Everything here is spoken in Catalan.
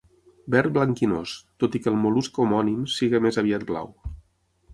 Verd blanquinós, tot i que el mol·lusc homònim sigui més aviat blau.